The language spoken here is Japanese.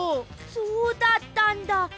そうだったんだ。